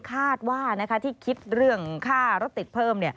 คาดว่าที่คิดเรื่องค่ารถติดเพิ่ม